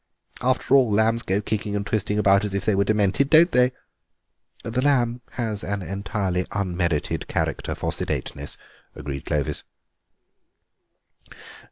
After all, lambs go kicking and twisting about as if they were demented, don't they?" "The lamb has an entirely unmerited character for sedateness," agreed Clovis.